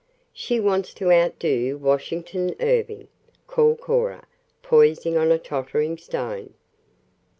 "She wants to outdo Washington Irving," called Cora, poising on a tottering stone.